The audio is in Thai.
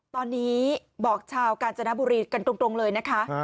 ตอนนี้บอกชาวกาญจนบุรีกันตรงเลยนะคะ